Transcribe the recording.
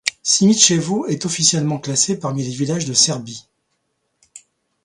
Simićevo est officiellement classé parmi les villages de Serbie.